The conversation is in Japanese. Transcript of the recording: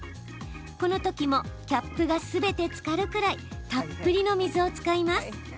このときもキャップがすべてつかるくらいたっぷりの水を使います。